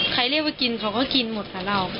ใครเรียกว่ากินเขาก็กินหมดค่ะเรา